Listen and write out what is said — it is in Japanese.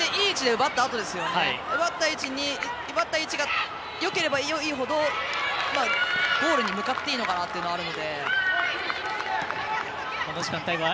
奪った位置がよければよいほどゴールに向かっていいのかなというのはあるので。